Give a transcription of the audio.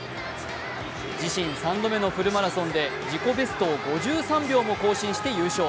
自身３度目のフルマラソンで自己ベストを５３秒も更新して優勝。